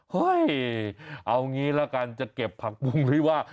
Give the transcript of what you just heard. เฮ้ยเอางี้ละกันจะเก็บผักบุ้งหรือว่า